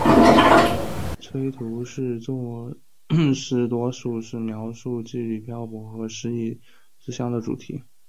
崔涂是诗作多数是描写羁旅漂泊和失意思乡的主题。